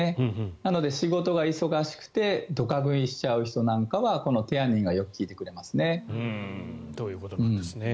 なので、仕事が忙しくてドカ食いしちゃう人なんかはこのテアニンがよく効いてくれますね。ということなんですね。